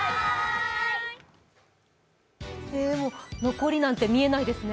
残りなんて見えないですね。